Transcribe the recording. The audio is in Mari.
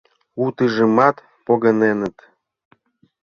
Утыжымат погыненыт.